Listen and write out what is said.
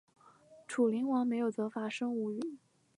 楚灵王没有责罚申无宇。